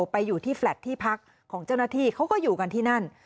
ไปอยู่ที่แฟลตที่พักของเจ้าหน้าที่เขาก็อยู่กันที่นั่น